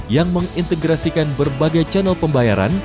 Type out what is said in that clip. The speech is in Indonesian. yang mengintegrasikan berbagai channel pembayaran